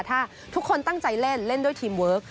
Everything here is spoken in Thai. ถ้าทุกคนตั้งใจเล่นเล่นด้วยทีมเวิร์ค